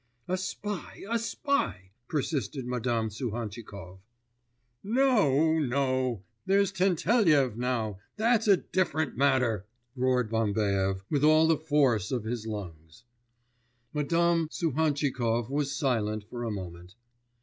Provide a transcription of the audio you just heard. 'A spy, a spy,' persisted Madame Suhantchikov. 'No, no! There's Tentelyev now, that's a different matter,' roared Bambaev with all the force of his lungs. Madame Suhantchikov was silent for a moment.